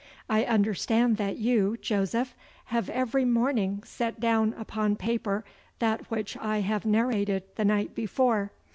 I understand that you, Joseph, have every morning set down upon paper that which I have narrated the night before.